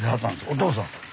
お父さん？